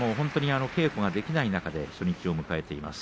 稽古ができない中で初日を迎えました。